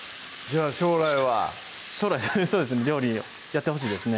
じゃあ将来はそうですね料理やってほしいです